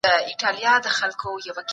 ټولنيز يووالي ته کار وکړئ.